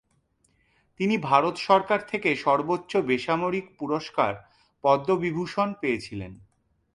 তিনি ভারত সরকার থেকে সর্বোচ্চ বেসামরিক পুরস্কার পদ্ম বিভূষণ পেয়েছিলেন।